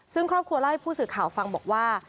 ซึ่งครอบครัวเล่าให้ผู้สื่อข่าวฟังบอกว่า